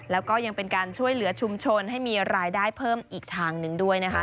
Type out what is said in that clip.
แล้วก็ยังเป็นการช่วยเหลือชุมชนให้มีรายได้เพิ่มอีกทางหนึ่งด้วยนะคะ